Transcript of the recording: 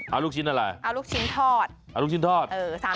เอาลูกชิ้นอะไรทอดสามสี่ไม้ก็สั่งมาเอาลูกชิ้นทอด